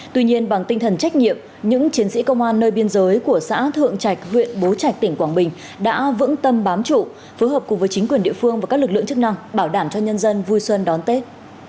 tuy nhiên bằng tinh thần trách nhiệm những chiến sĩ công an nơi biên giới của xã thượng trạch huyện bố trạch tỉnh quảng bình đã vững tâm bám trụ phối hợp cùng với chính quyền địa phương và các lực lượng chức năng bảo đảm cho nhân dân vui xuân đón tết